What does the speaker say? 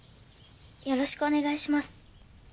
よろしくお願いします。